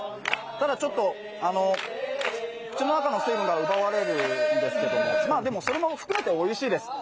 ただ、ちょっと口の中の水分が奪われるんですけど、でも、それも含めておいしいです